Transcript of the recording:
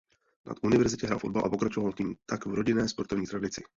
Na univerzitě hrál fotbal a pokračoval tím tak v rodinné sportovní tradici.